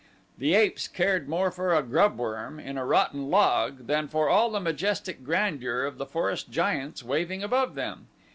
The apes cared more for a grubworm in a rotten log than for all the majestic grandeur of the forest giants waving above them.